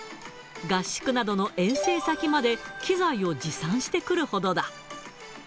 合宿などの遠征先まで機材を持参してくるほどだ。